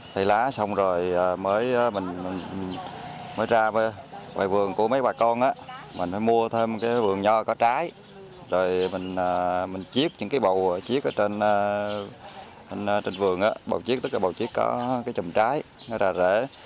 xây lá xong rồi mới ra ngoài vườn của mấy bà con mình mới mua thêm cái vườn nho có trái rồi mình chiếc những cái bầu chiếc ở trên vườn tất cả bầu chiếc có cái chùm trái nó ra rễ